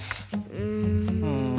うん。